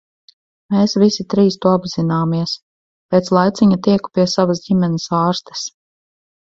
Mēs visi trīs to apzināmies. Pēc laiciņa tieku pie savas ģimenes ārstes.